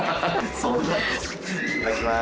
そうなんです。